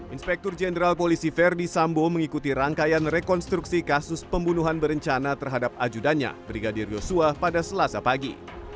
inspektur jenderal polisi verdi sambo mengikuti rangkaian rekonstruksi kasus pembunuhan berencana terhadap ajudannya brigadir yosua pada selasa pagi